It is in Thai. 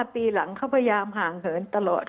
ปีหลังเขาพยายามห่างเหินตลอด